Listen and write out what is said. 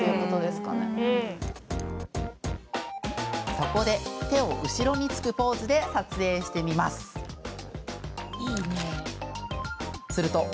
そこで、手を後ろにつくポーズで撮影してみます。